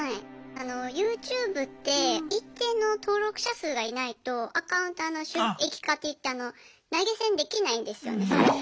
あのＹｏｕＴｕｂｅって一定の登録者数がいないとアカウントの収益化といって投げ銭できないんですよねそもそも。